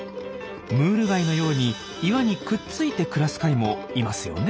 ムール貝のように岩にくっついて暮らす貝もいますよね。